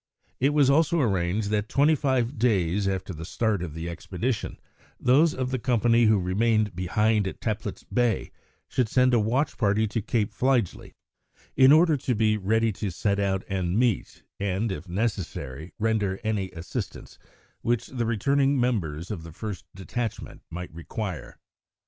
It was also arranged that twenty five days after the start of the expedition, those of the company who remained behind at Teplitz Bay should send a watch party to Cape Fligely, in order to be ready to set out and meet, and, if necessary, render any assistance which the returning members of the first detachment might require.